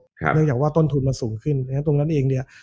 ครับเนื่องจากว่าต้นทุนมันสูงขึ้นอย่างนั้นตรงนั้นเองเนี่ย